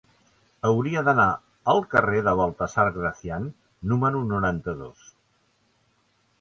Hauria d'anar al carrer de Baltasar Gracián número noranta-dos.